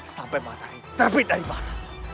sampai matahari terbit dari mata